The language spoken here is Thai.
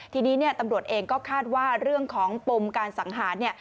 ทีนี้ตำรวจเองก็คาดว่าเรื่องของปมการสังหาร